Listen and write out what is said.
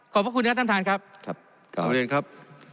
พระคุณครับท่านท่านครับครับกลับเรียนครับ